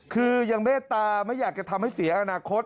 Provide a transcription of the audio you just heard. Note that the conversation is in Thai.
คือยังเมตตาไม่อยากจะทำให้เสียอนาคต